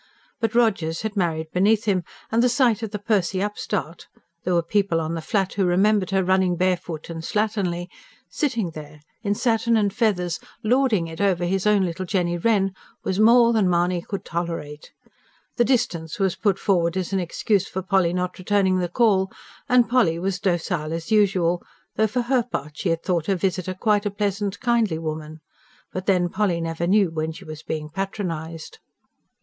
But Rogers had married beneath him, and the sight of the pursy upstart there were people on the Flat who remembered her running barefoot and slatternly sitting there, in satin and feathers, lording it over his own little Jenny Wren, was more than Mahony could tolerate. The distance was put forward as an excuse for Polly not returning the call, and Polly was docile as usual; though for her part she had thought her visitor quite a pleasant, kindly woman. But then Polly never knew when she was being patronised!